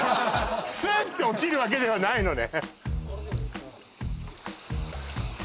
スーッて落ちるわけではないのね